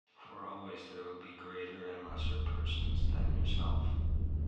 For always there will be greater and lesser persons than yourself.